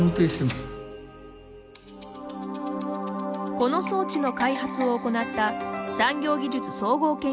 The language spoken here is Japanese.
この装置の開発を行った産業技術総合研究所です。